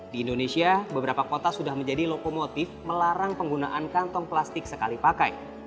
di indonesia beberapa kota sudah menjadi lokomotif melarang penggunaan kantong plastik sekali pakai